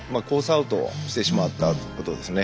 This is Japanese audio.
アウトしてしまったことですね。